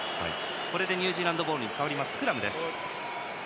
これでニュージーランドボールのスクラムです。